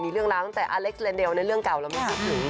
เขาลงเป็นคลิปเล่นสเคทบอร์ต